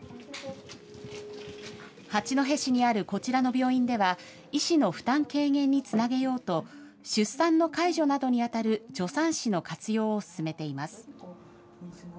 八戸市にあるこちらの病院では、医師の負担軽減につなげようと、出産の介助などに当たる助産師の活用を進めています。